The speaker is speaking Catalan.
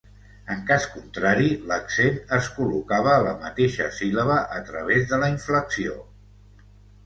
En cas contrari, l'accent es col·locava a la mateixa síl·laba a través de la inflexió.